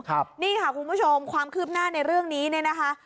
ครับนี่ค่ะคุณผู้ชมความคืบหน้าในเรื่องนี้เนี่ยนะคะ